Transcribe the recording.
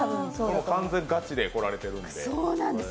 完全ガチで来られてるんで。